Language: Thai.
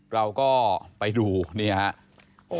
เราก็ไปดูนี่ครับ